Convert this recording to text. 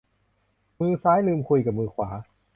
มือซ้ายลืมคุยกับมือขวา